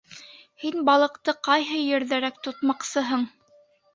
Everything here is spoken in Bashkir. — Һин балыҡты ҡайһы ерҙәрәк тотмаҡсыһың?